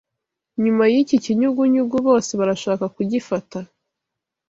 Nyuma yiki kinyugunyugu bose barashaka kugifata